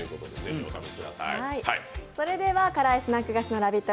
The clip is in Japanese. それでは辛いスナック菓子のラヴィット！